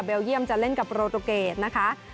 เยี่ยมจะเล่นกับโรตุเกตนะคะ